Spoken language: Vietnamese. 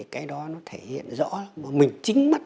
cái đó nó thể hiện rõ mình chính mắt